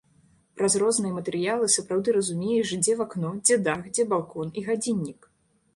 Праз розныя матэрыялы сапраўды разумееш, дзе вакно, дзе дах, дзе балкон і гадзіннік.